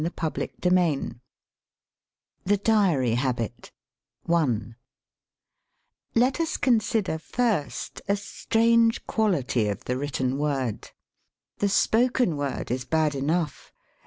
THE DIARY HABIT THE DIARY HABIT Let us consider, first, a strange quality of the written word. The spoken word is bad enough.